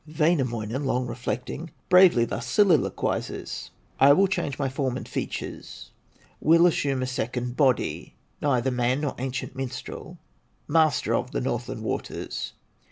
Wainamoinen, long reflecting, Bravely thus soliloquizes: "I will change my form and features, Will assume a second body, Neither man, nor ancient minstrel, Master of the Northland waters!"